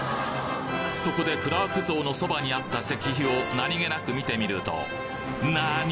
そこでクラーク像のそばにあった石碑を何気なく見てみるとなに！？